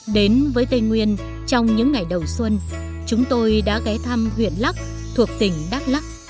đến với tây nguyên trong những ngày đầu xuân chúng tôi đã ghé thăm huyện lắc thuộc tỉnh đắk lắc